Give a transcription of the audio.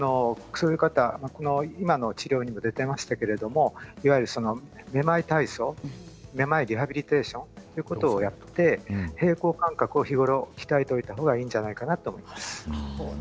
今の治療にも出ていましたがいわゆるめまい体操めまいリハビリテーションということをやって平衡感覚を日頃から鍛えていた方がいいじゃないかなと思います。